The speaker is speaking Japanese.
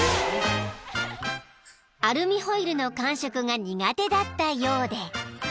［アルミホイルの感触が苦手だったようで］